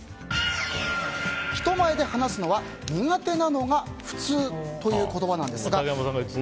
人前で話すのは苦手なのが普通という言葉なんですが。